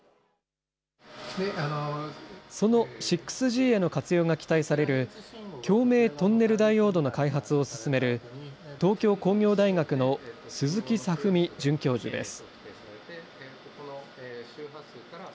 その６Ｇへの活用が期待される、共鳴トンネルダイオードの開発を進める、東京工業大学の鈴木左文准教授です。